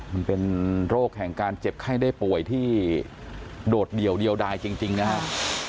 มันเป็นโรคแห่งการเจ็บไข้ได้ป่วยที่โดดเดี่ยวเดียวดายจริงนะครับ